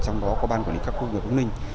trong đó có ban quản lý các khu công nghiệp bác ninh